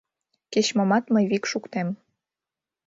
Кеч момат мый вик шуктем».